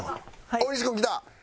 大西君来た！